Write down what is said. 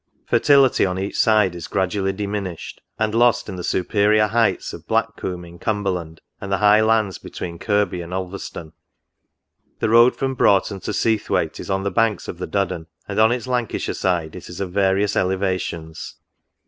Fertility on each side is gradually diminished, and lost in the superior heights of Blackcomb, in Cumberland, and the high lands between Kirkby and Ulverstone." " The road from Broughton to Seathwaite is on the banks of the Duddon, and on its Lancashire side it is of various elevations.